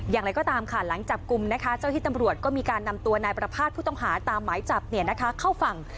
อย่างไรก็ตามค่ะหลังจับกลุ่มนะคะเจ้าที่ตำรวจก็มีการนำตัวนายประภาษณ์ผู้ต้องหาตามหมายจับเข้าฝั่ง